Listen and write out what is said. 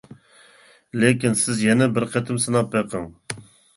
لېكىن سىز يەنە بىر قېتىم سىناپ بېقىڭ.